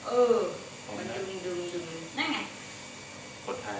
เออมันดึงนั่นไง